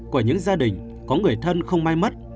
của những gia đình có người thân không may mất